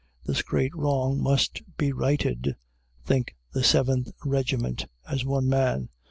"This great wrong must be righted," think the Seventh Regiment, as one man.